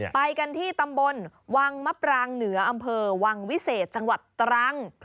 ไปกันที่ตำบลวังมะปรางเหนืออำเภอวังวิเศษจังหวัดตรัง